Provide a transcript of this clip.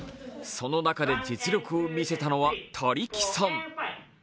その中で実力を見せたのは他力さん。